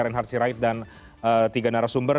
reinhard sirait dan tiga narasumber